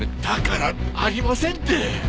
だからありませんって！